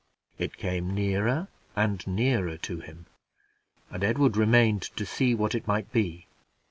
It came nearer and nearer to him, and Edward remained to see what it might be.